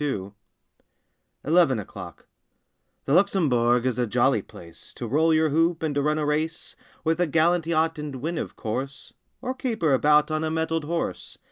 • TEN O'CLOCK 19 ELEVEN O'CLOCK T he Luxembourg is a jolly place To roll your hoop, and to run a race With a gallant yacht, and win, of course. Or caper about on a mettled horse!